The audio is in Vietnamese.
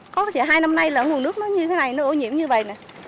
có thì hai năm nay là nguồn nước nó như thế này nó ô nhiễm như vậy này